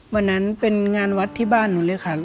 วันนั้นเป็นงานวัดที่บ้านหนูเลยค่ะ